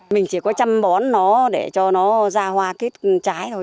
mình chỉ có trăm bón nó để cho nó ra hoa kết trái thôi